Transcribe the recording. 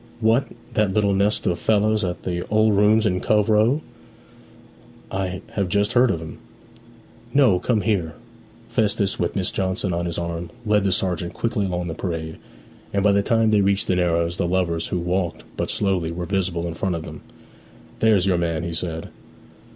'What, that little nest of fellows at the "Old Rooms" in Cove Row? I have just heard of 'em.' 'No come here.' Festus, with Miss Johnson on his arm, led the sergeant quickly along the parade, and by the time they reached the Narrows the lovers, who walked but slowly, were visible in front of them. 'There's your man,' he said.